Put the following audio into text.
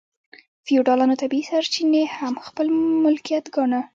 فیوډالانو طبیعي سرچینې هم خپل ملکیت ګاڼه.